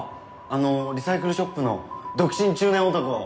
あのリサイクルショップの独身中年男。